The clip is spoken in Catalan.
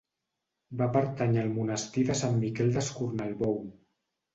Va pertànyer al Monestir de Sant Miquel d'Escornalbou.